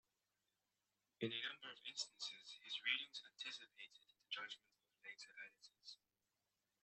In a number of instances his readings anticipated the judgment of later editors.